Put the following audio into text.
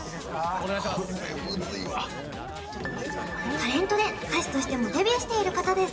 タレントで歌手としてもデビューしている方です